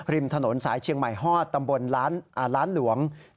ริมถนนสายเชียงใหม่ฮอดตำบลล้านหลวง